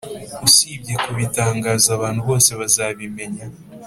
usibye kubitangaza abantu bose bazabimenya